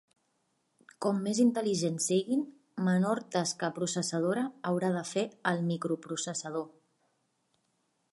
Com més intel·ligents siguin, menor tasca processadora haurà de fer el microprocessador.